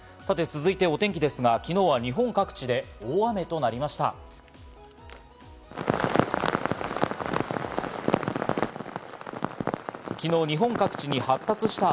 続いてお天気ですが、日本各地で大雨となりました。